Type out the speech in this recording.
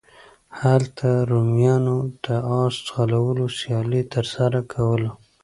هلته رومیانو د اس ځغلولو سیالۍ ترسره کولې.